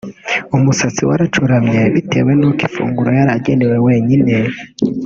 umusatsi waracuramye bitewe n’uko ifunguro yari aganewe wenyine